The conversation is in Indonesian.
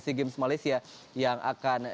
sea games malaysia yang akan